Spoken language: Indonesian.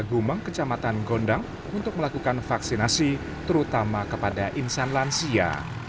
gumeng kecamatan gondang untuk melakukan vaksinasi terutama kepada insan lansia